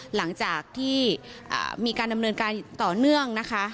หลังจากที่มีการดำเนินการต่อเนื่องนะคะ